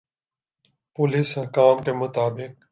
police حکام کا مطابق